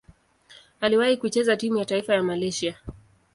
Aliwahi kucheza timu ya taifa ya Malaysia.